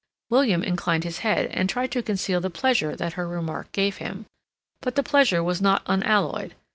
William inclined his head and tried to conceal the pleasure that her remark gave him. But the pleasure was not unalloyed.